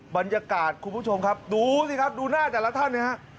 บรรยากาศคุณผู้ชมครับดูสิครับดูหน้าแต่ละท่านนะฮะ